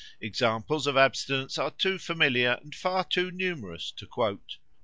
Examples of such abstinence are too familiar and far too numerous to quote.